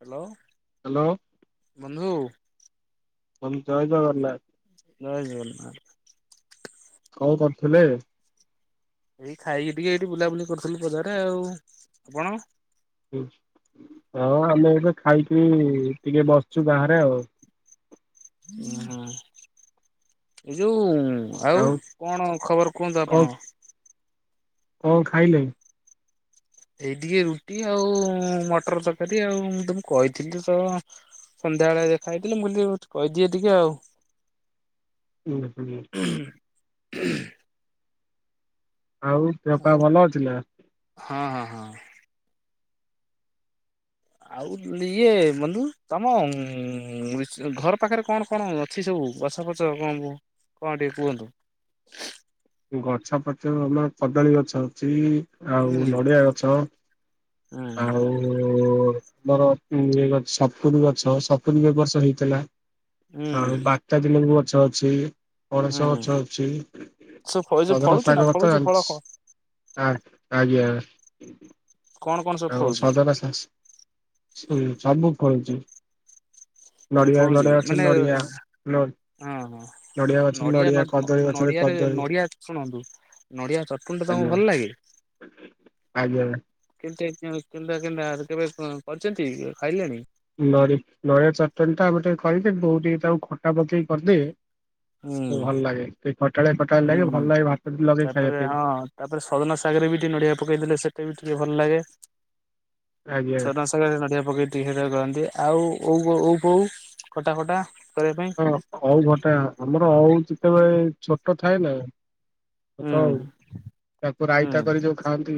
Hello. Hello. ବନ୍ଧୁ। ବନ୍ଧୁ ଜୟ ଜଗନ୍ନାଥ। ଜୟ ଜଗନ୍ନାଥ। କଣ କରୁଥିଲେ। ଏଇ ଖାଇକି ଟିକେ ଏଇଠି ବୁଲାବୁଲି କରୁଥିଲୁ ପଦାରେ ଆଉ ଆପଣ। ଉଁ ଆଉ ଆମେ ଏବେ ଖାଇକି ଟିକେ ବସଚୁ ବାହାରେ ଆଉ। [unintelligible] ହଁ ଏ ଯୋଉଁ ଆଉ କଣ ଖବର କୁହନ୍ତୁ ଆପଣଙ୍କ? କଁ ଖାଇଲେଇଁ? ଏଇ ଟିକେ ରୁଟି ଆଉ ମଟର ତରକାରୀ ଆଉ ମୁଁ ତମୁକୁ କଇଥିଲି ତ ସ ସନ୍ଧ୍ୟାବେଳେ ଦେଖା ହେଇଥିଲେ ମୁଁ କଇଲି ଟିକେ କହିଦିଏ ଟିକେ ଆଉ। ଉଁ ହୁଁ। [inaudible] ଆଉ ଦେହ ପା ଭଲ ଅଛି ନା? ହଁ ହଁ ହଁ। ଆଉ ଲିଏ ବନ୍ଧୁ ତମ ଉଁ [unintelligible] ଘର ପାଖେରେ କଣ କଣ ଅଛି ସବୁ ଗଛ ଫଛ କଁ [unintelligible] କଁ ଟିକେ କୁହନ୍ତୁ? ଗଛ ଫଚ ଆମର କଦଳୀ ଗଛ ଅଛି ଆଉ ହୁଁ ନଡିଆ ଗଛ ହୁଁ ଆଉ ଆମର ଉଁ ଇଏ ଗଛ୍ ସପୁରୀ ଗଛ ସପୁରୀ ବି ଏ ବର୍ଷ ହେଇଥେଲା। ହୁଁ ଆଁ ବାତାଜି ଲେମ୍ବୁ ଗଛ ଅଛି। ପଣସ ହୁଁ। ଗଛ ଅଛି ସବୁ ଫ ଏ ଯୋଉ ସଜନା ଫଳୁଛି ନା ଶାଗ ଗଛ ଫଳୁଛି ଫଳ ଆଣିଛି। କଣ ଆଡ୍ ଆଜ୍ଞା। କଣ କଣ ସବୁ ଆଉ ଫଳୁଛି? ସଜନା ଶା ସ୍ [unintelligible] ସବୁ ଫଳୁଚି। ତ ଫଳୁଚି ମାନେ ନ ହଁ ହଁ ଗଛରେ ନଡିଆ ନଡ୍ କଦଳୀ ଗଛରେ ନଡିଆରେ କଦଳୀ ନଡିଆ ଶୁଣନ୍ତୁ। ନଡିଆ ଚଟୁଣିଟା ତମ ଆଜ୍ଞା ଭଲ ଲାଗେ? ଆଜ୍ଞା। କେମତିଆ ହେଇ କେଁ କେନ୍ତା କେନ୍ତା କେବେ କରିଚନ୍ତି ଖାଇଲେଣି? ନଡି ନଡିଆ ଚଟଣିଟା ଆମୁକୁ ଟିକେ କରିଦେ ବୋଉ ଟିକେ ତାକୁ ଖଟା ପକେଇ କରିଦିଏ। ହୁଁ ଉଁ ଭଲ ଲାଗେ ଟିକେ ଖଟାଳିଆ ଖଟାଳିଆ ଲାଗେ ହୁଁ ଭଲ ଲାଗେ ଭାତ ଟିକେ ଲଗେଇ ତାପରେ ଖାଇବା ପେଇଁ। ହଁ ତାପରେ ସଜନା ଶାଗେରରେ ବି ଟିକେ ନଡିଆ ପକେଇ ଦେଲେ ସେଟା ବି ଟିକେ ଭଲ ଲାଗେ ଆଜ୍ଞା ସଜନା ଶା ଶାଗେରେ ନଡିଆ ପକେଇ ଟିକେ ସେଇରା କରନ୍ତି ଆଉ ଓଉ ଓ ଓଉ ଫୋଉ ଖଟା ଫଟା କରିବା ପାଇଁ ହଁ ଅଉ ଖଟା ଆମର ଅଉ ଯେତେବେଳେ ଛୋଟ ଥାଏ ନା ହୁଁ ଛୋଟ ଓଉ ତାକୁ ହୁଁ ରାଇତା କରି ଯୋଉ ଖାଆନ୍ତି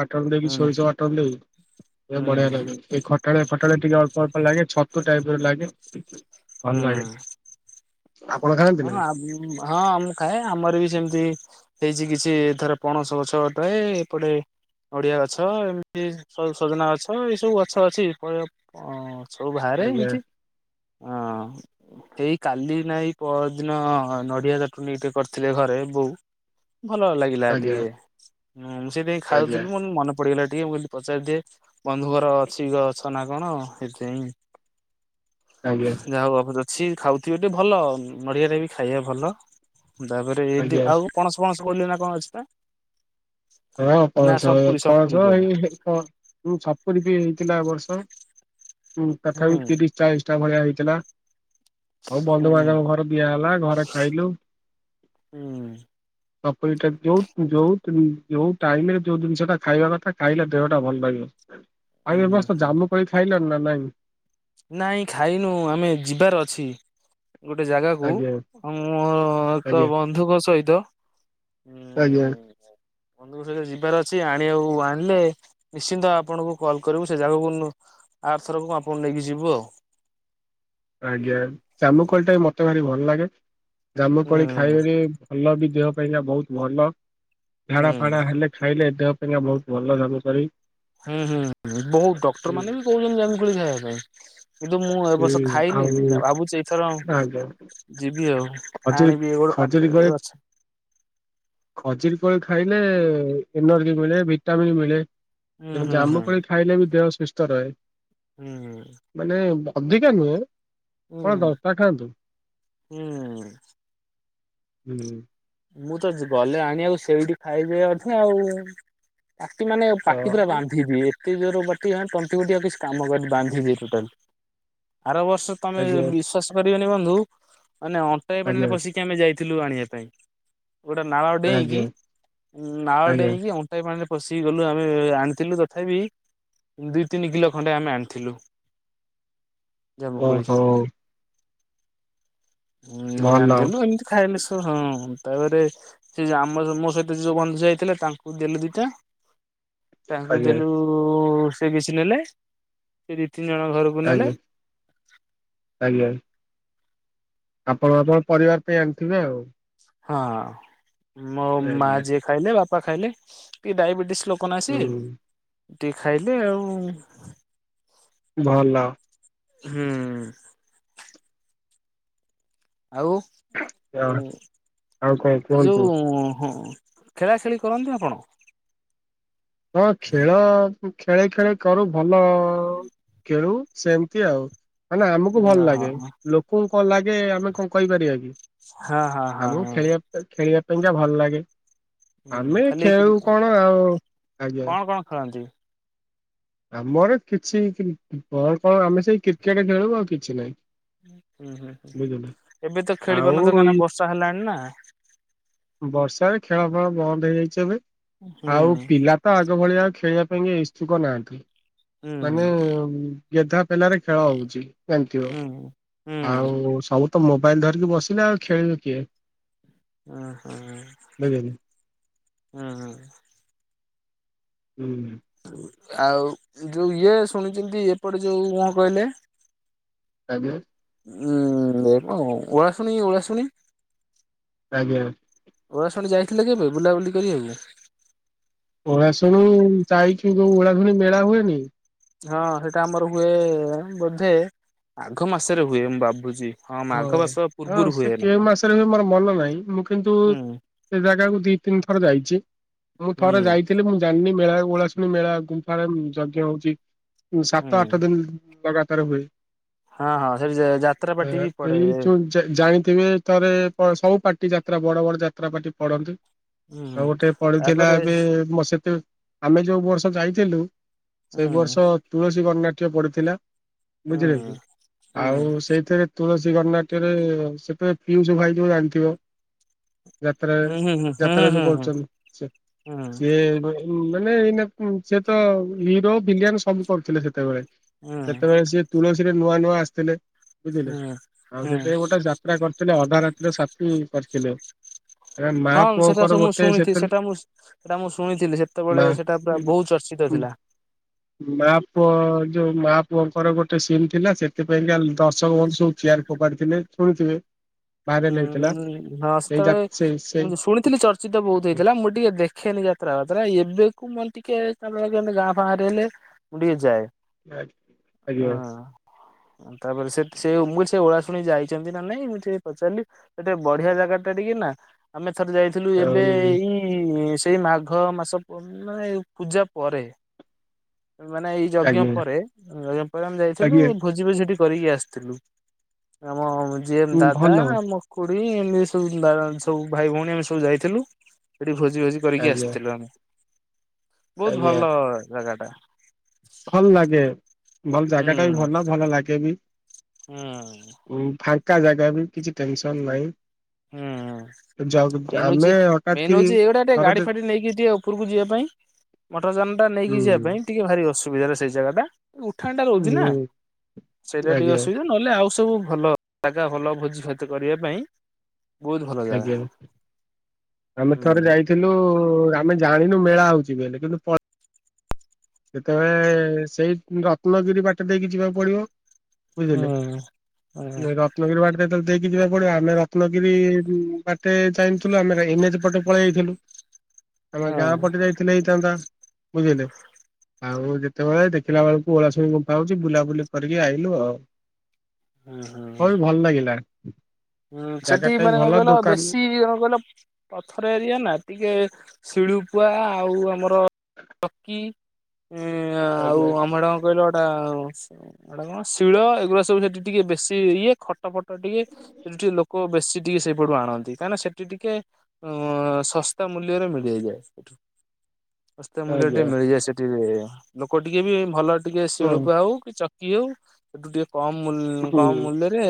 ବାଟଣ ଦେଇକି ହୁଁ ସୋରିଷ ବାଟଣ ଦେଇ ଇଏ ବଢିଆ ହୁଁ ଲାଗେ ଟିକେ ଖଟାଳିଆ ଖଟାଳିଆ ଟିକେ ଅଳ୍ପ ଅଳ୍ପ ଲାଗେ ଛତୁ ଟାଇପର ଲାଗେ ଭଲ ହୁଁ। ଲାଗେ। ଆପଣ ଖାଆନ୍ତି ହଁ ନା ଆ ଉଁ ହଁ ମୁଁ ଖାଏ ଆମର ବି ସେମତି ହେଇଛି କିଛି ଥର ପଣସ ଗଛଟାଏ ଏପଟେ ନଡିଆ ଗଛ ଏମତି ସ ସଜନା ଗଛ ଏଇ ସବୁ ଗଛ ଅଛି [unintelligible] ଅଁ ସବୁ ଭାରେ ଆଜ୍ଞା [unintelligible] ଆଁ ଅଁ ଏଇ କାଲି ନା ଏଇ ପଅରଦିନ ନଡିଆ ଚଟୁଣୀଟେ କରିଥିଲେ ଘରେ ବୋଉ ଭଲ ଲାଗି ଗିଲା ଆଜ୍ଞା ଟିକେ ଉଁ ମୁଁ ସେଇଥିପାଇଁ ଆଜ୍ଞା ଖାଉଥିଲୁ ମନ୍ ମନ ପଡିଗଲା ଟିକେ ମୁଁ କଇଲି ପଚାରିଦିଏ ବନ୍ଧୁ ଘର ଅଛି ଗଛ ନା କଣ ହେଥିପାଇଁ ଆଜ୍ଞା ଯାହା ହଉ [unintelligible] ଅଛି ଖାଉଥିବେ ଯେ ଭଲ ଉଁ ନଡିଆଟା ବି ଖାଇଆ ଭଲ। ଦାପରେ ଏଇଦି ଆଜ୍ଞା ଆଉ ପଣସ ଫଣସ କହୁଥିଲେ ନା କଁ ଅଛି ପା। ହଁ ନା ପଣସ ସମ୍ପୁରୀ ସମ୍ପୁରୀ ପଣସ କହିଲେ ହେଇ ହେ ପ ଉଁ ସପୁରି ବି ଥିଲା ଏ ବର୍ଷ ଉଁ ହୁଁ ତଥାପି ହୁଁ ତିରିଶ ଚାଳିଶଟା ଭଳିଆ ହେଇଥିଲା ଆଉ ହୁଁ ବନ୍ଧୁବାନ୍ଧବ ଘର ଦିଆ ହେଲା ଘରେ ଖାଇଲୁ। ହୁଁ ଅପୁରୀଟା ଯୋଉ ଯୋଉ ତିଲ୍ ଯୋଉ ଟାଇମରେ ଯୋଉ ଜିନିଷଟା ଖାଇବା କଥା ଖାଇଲେ ଦେହଟା ଭଲ ରହିବ ଆଉ ଏ ହୁଁ ବର୍ଷ ହୁଁ। ଜାମୁ କୋଳି ଖାଇଲଣି ନା ନାଇଁ। ନାଇଁ ଖାଇନୁ ଆମେ ଯିବାର ଅଛି। ଗୋଟେ ଜାଗାକୁ ଆଜ୍ଞା ଆଉଁ ମୋର ଏକ ଆଜ୍ଞା ବନ୍ଧୁଙ୍କ ସହିତ ଆଜ୍ଞା। ବନ୍ଧୁଙ୍କ ସହିତ ଯିବାର ଅଛି ଆଣିବାକୁ ଆଣିଲେ ନିଶ୍ଚିନ୍ତ ଆପଣଙ୍କୁ କଲ୍ କରିବୁ। ସେ ଜାଗାକୁ ଆରଥ ରକୁ ଆପଣ ନେଇକି ଯିବୁ ଆଉ। ଆଜ୍ଞା ଜାମୁ କୋଳି ଟା ବି ମତେ ଭାରି ଭଲ ଲାଗେ। ହୁଁ ଜାମୁକୋଳି ଖାଇବାରେ ଭଲ ବି ଦେହ ପାଇଁକା ବହୁତ ଭଲ। ହୁଁ ଝାଡ଼ା ଫାଡ଼ା ହେଲେ ଖାଇଲେ ଦେହ ପାଇଁକା ବହୁତ ଭଲ ଜାମୁ କୋଳି। ହୁଁ ହୁଁ ହୁଁ ବହୁତ ଡକ୍ଟର ମାନେ ବି କହୁଛନ୍ତି ଜାମୁ କୋଳି ଖାଇବା ପାଇଁ। କିନ୍ତୁ ମୁଁ ଏ କି ବର୍ଷ ଖାଇନି ଆଉ ଭାବୁଚି ଏଇଥର ଆଜ୍ଞା ଯିବି ଆଉ। ଖଜୁରୀ ଆଣିବି ଗୋଟେ ପାଖରେ ଅଛି। ଖଜୁରି କୋଳି ଖାଇଲେ ଏନର୍ଜି ମିଳେ ଭିଟାମିିନ୍ ମିଳେ। ହୁଁ ତେଣୁ ହୁଁ ହୁଁ ଜାମୁକୋଳି ଖାଇଲେ ବି ଦେହ ସୁସ୍ଥ ରହେ। ହୁଁ ହୁଁ। ମାନେ ଅଧିକା ନୁହେଁ କଣ ହୁଁ। ଦଶଟା ଖାଆନ୍ତୁ। ହୁଁ। ହୁଁ। ମୁଁ ତ ଯି ଗଲେ ଆଣିବାକୁ ସେଇଠି ଖାଇଦିଏ ଅଧେ ଆଉ। ପାଟି ମାନେ ପାଟି ପୁରା ହଁ ବାନ୍ଧି ଦିଏ। ତିକି ଜୋର ବଟିକା ଆଣ ତଣ୍ଟି ଫଣ୍ଟି ଆଉ କିଛି କାମ କରେନି ବାନ୍ଧିିଦିଏ ଟୋଟାଲି। ଆର ବର୍ଷ ତମେ ଆଜ୍ଞା ବିଶ୍ଵାସ କରିବନି ବନ୍ଧୁ ମାନେ ଅଣ୍ଟାଏ ପାଣିରେ ଆଜ୍ଞା ପଶିକି ଆମେ ଯାଇଥିଲୁ ଆଣିବା ପାଇଁ। ଗୋଟେ ନାଳ ଡେଇଁକି ଆଜ୍ଞା ନାଳ ଆଜ୍ଞା। ଡେଇଁକି ଅ ଟେ ପାଣିରେ ପଶିକି ଗଲୁ ଆମେ ଆଣିଥିଲୁ ତଥାପି ଦି ତିନି କିଲୋ ଖଣ୍ଡେ ଆମେ ଆଣିଥିଲୁ ଜାମୁକୋଳି। ଓହୋ ଉ ଭଲ ଆଣିଥିଲୁ ଏମିତି ଖାଇଲେ ସ ହଁ ତାପରେ ସେ ଯୋଉ ଆମ ମୋ ସହିତ ଯୋଉ ବନ୍ଧୁ ଯାଇଥିଲେ ତାଙ୍କୁ ଦେଲେ ଦିଇଟା ତାଙ୍କୁ ଆଜ୍ଞା ଦେଲୁ ସେ କିଛି ନେଲେ ସେ ଦି ତିନି ଜଣ ଘରକୁ ନେଲେ ଆଜ୍ଞା ଆଜ୍ଞା। ଆପଣ ଆପଣଙ୍କ ପରିବାର ପାଇଁ ଆଣିଥିବେ ଆଉ। ହଁ ମୋ ମା ଆଜ୍ଞା ଯିଏ ଖାଇଲେ ବାପା ଖାଇଲେ ଟିକେ ଡାଇବେଟିସ ଲୋକ କ ନା ସିଏ। ହୁଁ ଟିକେ ଖାଇଲେ ଆଉ। ଭଲ। ହୁଁ। ଆଉ ଉ ଆଉ କଣ ଏ କୁହନ୍ତୁ? ଯୋଉ ହଁ ଖେଳା ଖେଳି କରନ୍ତି ଆପଣ? ହଁ ଖେଳ ଖେଳି ଖେଳି କରୁ ଭଲ ହୁଁ। ଖେଳୁ ସେମିତି ଆଉ ମାନେ ଆମକୁ ଭଲ ହଁ ହଁ ଲାଗେ। ଲୋକ କଙ୍କୁ କଣ ଲାଗେ ଆମେ କଣ କହିପାରିବା କି ହଁ ହଁ ହଁ ଆମକୁ ହଁ ଖେଳିବା ଖେଳିବା ପାଇଁକା ଭଲ ଲାଗେ। ହୁଁ ଆମେ ଖାଲି ଖେଳୁ କଣ ଆଉ ଆଜ୍ଞା କଣ କଣ ଖେଳନ୍ତି? ଆମର କିଛି କଣ କଣ ଆମେ ସେଇ କ୍ରିକେଟ ଖେଳୁ ଆଉ କିଛି ନାହିଁ। ହୁଁ ହୁଁ ହୁଁ ବୁଝିଲେ। ଏବେ ତ ଖେଳି ଆଉ ପାରୁନଥିବ କାହିଁକି ଏଇ ନା ବର୍ଷା ହେଲାଣି ନା ବର୍ଷାରେ ଖେଳ ଫେଳ ବନ୍ଦ ହେଇଯାଇଚି ଏବେ ଆଉ ହୁଁ ପିଲା ତ ଆଗ ଭଳିଆ ଆଉ ଖେଳିବା ପାଇଁ ଇଶ୍ଚୁକ ନାହାନ୍ତି ମାନେ ହୁଁ ଗେଧା ପେଲାରେ ଖେଳ ହଉଚି ଯାଣିଥିବ। ହୁଁ ହୁଁ ହୁଁ ଆଉ ସବୁ ତ ମୋବାଇଲ ଧରିକି ବସିଲେ। ଆଉ ଖେଳିବ କିଏ? ଉଁ ହୁଁ। ଦେବିନି। ହୁଁ ହୁଁ। ହୁଁ। ଆଉ ଯୋଉ ଇଏ ଶୁଣିଛନ୍ତି ଏପଟେ ଯୋଉ କଣ କହିଲେ [unintelligible] ଉୁଁ ଦେ ଉଆ ଓଳାଶୁଣୀ ଓଳାଶୁଣୀ। ଆଜ୍ଞା।। ଓଳାଶୁଣି ଯାଇଥିଲେ କି ଏବେ ବୁଲାବୁଲି କରିବାକୁ? ଓଳାଶୁଣୀ ଯାଇଥିବୁ ଓଳାଶୁଣି ମେଳା ହୁଏନି? ହଁ ସେଟା ଆମର ହୁଏ ବୋଧେ ଆଘ ମାସରେ ହୁଏ ମୁଁ ଭାବୁଚି। ହଁ ହଁ ହଁ ସେ କେଉଁ ମାସରେ ହୁଏ ମୋର ମନ ନାହିଁ ମୁଁ କିନ୍ତୁ ହୁଁ ସେ ଜାଗାକୁ ଦି ତିନି ଥର ଯାଇଛି। ମୁଁ ହୁଁ ଥରେ ଯାଇଥି ମୁଁ ଜାଣିନି ମେଳା ଓଳାଶୁଣି ମେଳା ଗୁମ୍ଫା ଯଜ୍ଞ ହଉଛି। ସାତ ହୁଁ ଆଠ ଦିନ ଲଗାତାର ହୁଏ। ହଁ ହଁ ସେଠି ସ ଯା ଏ ଏଇ ଚୋଉ ଜାଣିଥିବେ ଥରେ ପ ସବୁ ପାର୍ଟି ଯାତ୍ରା ବଡ ବଡ ଯାତ୍ରା ପାର୍ଟି ପଡନ୍ତି। ହୁଁ ଆଉ ଗୋଟେ ପଡିଥିଲା ତାପରେ ଏବେ ମ ସେତୁ ଆମେ ଯୋଉ ବର୍ଷ ଯାଇଥିଲୁ। ହୁଁ ସେଇ ବର୍ଷ ତୁଳସୀ ଗଣନାଟ୍ୟ ପଡିଥିଲା ବୁଝିଲେ ହୁଁ କି? ହୁଁ ଆଉ ସେଇଥିରେ ତୁଳସୀ ଗଣନାଟ୍ୟରେ ସେତେ ପିଉସ୍ ଭାଇ ଯୋଉ ଜାଣିଥିବ? ଯାତ୍ରାରେ ହୁଁ ହୁଁ ହୁଁ ଯାତ୍ରା ହୁଁ ଯୋଉ ହୁଁ କରୁଚନ୍ତି ସେ ହୁଁ ହୁଁ ସିଏ ଏବେ ମାନେ ଏଇ ନାକୁ ସେ ତ ହିରୋ, ଭିଲିଆନ ସବୁ କରୁଥିଲେ ସେତେବେଳେ। ହୁଁ ସେତେବେଳେ ସିଏ ତୁଳସୀରେ ନୂଆ ନୂଆ ଆସିଥିଲେ। ବୁଝିଲେ ହଁ। ଆଉ ସେଥିପାଇଁ ଗୋଟେ ଯାତ୍ରା କରିଥିଲେ, ଅଧା ରାତିର ସାଥି କରିଥିଲେ। ମା ହଁ ସେଟା ପୁଅଙ୍କର ସବୁ ମୁଁ ଗୋଟେ ଶୁଣିଛିି। ସେଥିରେ ସେଟା ମୁଁ ସେଟା ମୁଁ ଶୁଣିଥିଲି। ସେତେବେଳେ ମା ସେଟା ପୁରା ବହୁତ ଚର୍ଚ୍ଚିତ ଥିଲା। ମା ପୁଅ ଯୋଉ ମା ପୁଅଙ୍କର ଗୋଟେ ସିନ୍ ଥିଲା ସେଥିପାଇଁକା ଦର୍ଶକ ବନ୍ଧୁ ଯୋଉ ଚିୟାର ଫୋପାଡିଥିଲେ ଶୁଣିଥିବେ? ଉଁ ଭାଇରାଲ ହେଇଥିଲା ଉଁ ହଁ ସେଇ ଯା ସେତେବେଳେ ସେଇ ସେଇ ମୁଁ ଶୁଣିଥିଲି ଚର୍ଚ୍ଚିତ ବହୁତ ହେଇଥିଲା। ମୁ ଏଠି ଟିକେ ଦେଖେନି ଯାତ୍ରା ଫାତ୍ରା ଏବେକୁ ମାନେ ଟିକେ [unintelligible] ଗାଁ ଫା ରେ ହେଲେ। ମୁଁ ଟିକେ ଯାଏ। ଆଜ୍ଞା। ତାପରେ ସେ ସେ ମୁଁ କଇଲି ସେ ଓଳାଶୁଣି ଯାଇଚନ୍ତି ନା ନାଇଁ ମୁଁ ଟିକେ ପଚାରିଲି ଗୋଟେ ବଢିଆ ଜାଗା ଟା ଟିକେ ନା ଆମେ ଥରେ ଯାଇଥିଲୁ ଏବେ ଆଉ ଏଇ ସେଇ ମାଘ ମାସ ପୂର୍ଣ୍ଣିମା ପୂଜା ପରେ। ମାନେ ଏଇ ଯଜ୍ଞ ଆଜ୍ଞା ପରେ ଯଜ୍ଞ ପରେ ଆମେ ଯାଇଥିଲୁ। ଆଜ୍ଞା ଭୋଜି ଭୋଜି ସେଠି କରିକି ଆସିଥିଲୁ। ଆମ ଯିଏ ହୁଁ ଦା ଭଲ ମକୁଡି ଏମିତି ସବୁ ବାଇମାନେ ସବୁ ଭାଇ ଭଉଣୀ ଆମେ ସବୁ ଯାଇଥିଲୁ ସେଠି ଭୋଜି ଭୋଜି କରିକି ଆଜ୍ଞା ଆସିଥିଲୁ ଆମେ, ବହୁତ ଆଜ୍ଞା ଭଲ ଜାଗା ଟା। ଭଲ ଲାଗେ, ଭଲ ହୁଁ ଜାଗା ଟା ବି ଭଲ ଭଲ ଲାଗେ ବି। ହୁଁ। ଫାଙ୍କା ଜାଗା ବି କିଛି ଟେନସନ ନାହିଁ। ହୁଁ ଯ ହୁଁ। ମେନ୍ ଆମେ ହଉଛି। ହଠାତ୍ ମେନ୍ କିରି ହଉଛି ଏଇଗୁଡା ଟିକେ ଥରେ ଗାଡି ଯେ ଫାଡି ନେଇକି ଟିକେ ଉପରକୁ ଯିବା ପାଇଁ। ମଟର ଯାନଟା ହୁଁ ନେଇକି ଯିବା ପାଇଁ ଟିକେ ଭାରି ଅସୁବିଧାରେ ସେଇ ଜାଗାଟା ଉଠାଣିଟା ରହୁଚି ନା। ହୁଁ ସେଇଟା ଟିକେ ଆଜ୍ଞା ଅସୁବିଧା ନହେଲେ ଆଉ ସବୁ ଭଲ। ଜାଗା ଭଲ ଭୋଜି ଭାତ କରିବା ପାଇଁ। ବହୁତ ଭଲ ଜାଗା ଆଜ୍ଞା, ଆମେ ଥରେ ହୁଁ ଯାଇ ଥିଲୁ ଆମେ ଜାଣିନୁ ମେଳା ହଉଛି ବଲେ କିନ୍ତୁ ପ ଯେତେବେଳେ ସେଇ ରତ୍ନଗିରି ବାଟ ଦେଇକି ଯିବାକୁ ପଡିବ। ବୁଝିଲେ ହୁଁ। ହୁଁ ରତ ରତ୍ନଗିରି ବାଟେ ଯେତେବଳେ ଦେଇକି ଯିବାକୁ ପଡିବ ଆମେ ରତ୍ନଗିରି ବାଟେ ଯାଇ ଥୁଲୁ ଆମେ ଏନଏଚ୍ ପଟେ ପଳେଆଥିଲୁ ଆମ ହୁଁ ଗାଁ ପଟେ ଯାଇ ଥିଲେ ହେଇଥାନ୍ତା ବୁଝିଲେ? ଆଉ ଯେତେବେଳେ ଦେଖିଲା ବେଳକୁ ଓଳାସୁଣୀ ଗୁମଫା ହଉଛି ବୁଲାବୁଲି କରିକି ଆଇଲୁ ଆଉ। ହୁଁ ହୁଁ। ବହୁତ୍ ଭଲ ଲାଗିଲା। ହଁ ଜାଗା ସେଠି ଟା ବି ମାନେ କଣ ଭଲ କହିଲ ଦୋକାନ ବେଶୀ କଣ କହିଲ? ପଥର ଏରିଆ ନା ଟିକେ ଶିଳୁପୁଆ ଆଉ ଆମର ଚକି ଉଁ ଆଉ ଆଜ୍ଞା ଆମର କଣ [unintelligible] ସେଟା କଣ ଶିଳ ଏଗୁଡ଼ା ସବୁ ସେଠି ଟିକେ ବେଶୀ ଇଏ ଖଟ ଫଟ ଖଟ ଟିକେ ସେଠୁ ଟିକେ ଲୋକ ବେଶୀ ଟିକେ ସେଇପଟୁ ଆଣନ୍ତି କାହିଁକିନା ସେଠି ଟିକେ ଅଁ ଶସ୍ତା ମୂଲ୍ୟରେ ମିଳିଯାଏ ଏଗୁରା ସେଠୁ। ଶସ୍ତା ମୂଲ୍ୟ ଟିକେ ଆଜ୍ଞା ମିଳିଯାଏ ସେଠି ଲୋକ ଟିକେ ବି ଭଲ ଟିକେ ହଁ ଶିଳୁ ପୁଆ ହଉ କି ଚକି ହଉ ସେଠୁ ଟିକେ କମ ମୂଲ୍ ହୁଁ କମ ମୂଲରେ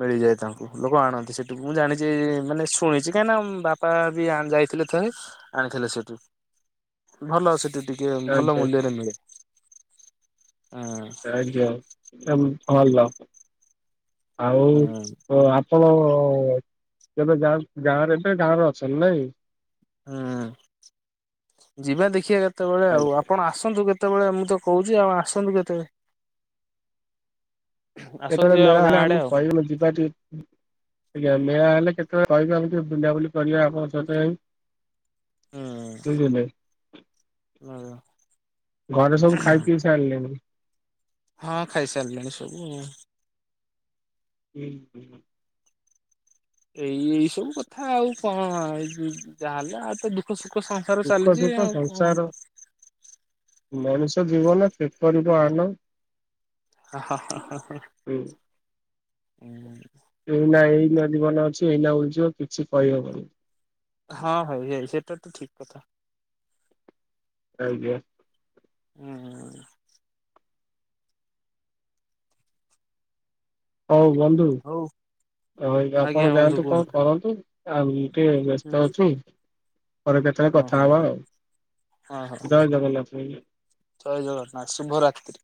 ମିଳିଯାଏ ତାଙ୍କୁ ଲୋକ ଆଣନ୍ତି ସେଠକୁ ମୁଁ ଜାଣିଛି ମାନେ ଶୁଣିଛି କାହିଁନା ବାପା ବି ଯାଇଥିଲେ ଥରେ। ଆଣିଥିଲେ ସେଠୁ ଭଲ ସେଠି ଟିକେ ଭଲ ଆଜ୍ଞା ମୂଲ୍ୟରେ ମିଳେ ହଁ। [unintelligible] ଭଲ ଆଉ ହୁଁ ଆ ଆପଣ କେବେ ଗାଁ କୁ ଗାଁରେ ଏବେ ଗାଁ ରେ ଅଛନ୍ତି ନାଇଁ? ହୁଁ ଯିବା ଦେଖିବା କେତେବେଳେ ଆଉ ଆପଣ ଆସନ୍ତୁ କେତେ ବେଳେ ମୁଁ ତ କହୁଛି ଆଉ ଆସନ୍ତୁ କେତେବେଳେ। ଆସନ୍ତୁ କେତେବେଳେ କେବେ ଆମ ମେଳା ଗାଁ ହେଲା ଆଡେ ଆମକୁ ଆଉ କହିବେ ଯିବା ଟିକେ। ଆଜ୍ଞା ମେଳା ହେଲେ କେତେବେଳେ କହିବେ ଆମେ ଟିକେ ବୁଲାବୁଲି କରିବା ଆପଣଙ୍କ ସହ ଯାଇଁ। ହୁଁ ବୁଝିଲେ। ଘରେ ସବୁ ଖାଇ ପିଇ ସାରିଲେଣିି? ହଁ ଖାଇସାରିଲେଣି ସବୁ। ହୁଁ ହୁଁ। ଏଇ ଏଇ ସବୁ କଥା ଆଉ କଣ ଏ ଯାହାହେଲେ ଆଉ ଦୁ ଦୁଃଖ ସୁଖ ସଂସାର ଦୁଃଖ ଚାଲିଛି ସୁଖ ଆଉ କଣ ସଂସାର କର ମଣିଷ ଜୀବନ କି କରିବ ଆନ। ହା ହା ହା ହା ହାଆ ହୁଁ ହୁଁ। ଏଇ ନା ଏଇ ନା ଜୀବନ ଅଛି ଏଇନା ଉଡିଯିବ କିଛି କହିହବନି। ହଁ ଭାଇ ଏଇ ସେଟା ତ ଠିକ କଥା। ଆଜ୍ଞା। ହୁଁ ହୁଁ। ହଉ ବନ୍ଧୁ ହଉ ରହିଲି ଆଜ୍ଞା ଆପଣ ବନ୍ଧୁ ଯାଆନ୍ତୁ କଣ କୁହନ୍ତୁ କରନ୍ତୁ ଆଉ ଟିକେ ବ୍ୟସ୍ତ ଅଛୁ। ପରେ କେତେବେଳେ ହଁ ହଉ କଥା ହବା ଆଉ ହଁ ହଉ ଜୟ ଜଗନ୍ନାଥ ଭାଇ। ଜୟ ଜଗନ୍ନାଥ ଶୁଭରାତ୍ରି।